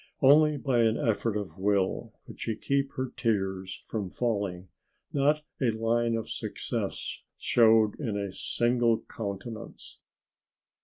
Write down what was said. Only by an effort of will could she keep her tears from falling not a line of success showed in a single countenance.